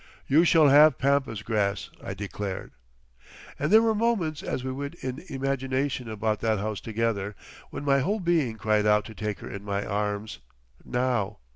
"You shall have Pampas Grass," I declared. And there were moments as we went in imagination about that house together, when my whole being cried out to take her in my arms—now.